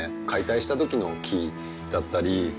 解体した時の木だったり。